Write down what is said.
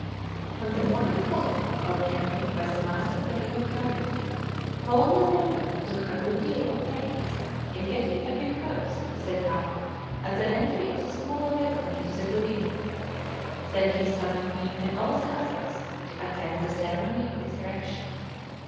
On the morning following our camping by the mouth of the Rio Kermit, Colonel Rondon took a good deal of pains in getting a big post set up at the entry of the smaller river into the Duvida. Then he summoned me, and all the others, to attend the ceremony of its erection.